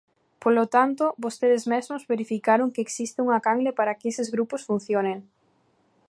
Polo tanto, vostedes mesmos verificaron que existe unha canle para que eses grupos funcionen.